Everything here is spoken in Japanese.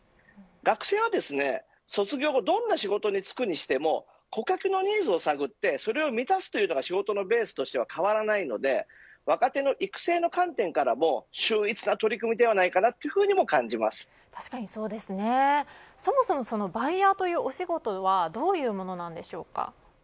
学生は卒業後どんな仕事に就くにしても顧客のニーズを探ってそれを満たすというのが仕事のベースとしては変わらないので若手の育成の観点からもそもそもバイヤーというお仕事はどういうものなんでしょうか。